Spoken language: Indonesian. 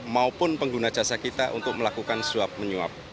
maupun pengguna jasa kita untuk melakukan swab menyuap